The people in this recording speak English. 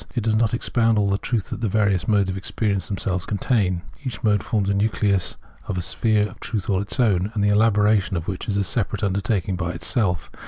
It does not expound all the truth that the various modes of experience themselves contain. Each mode forms a nucleus of a sphere of truth all its own, the elaboration of which is a separate undertaking by itself.